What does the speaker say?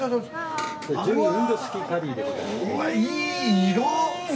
うわいい色！